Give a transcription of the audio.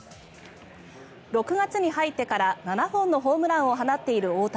６月に入ってから７本のホームランを放っている大谷。